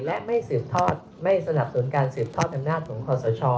และไม่สนับสนุนการเสืบทอดธรรมนาธิของความสะชอบ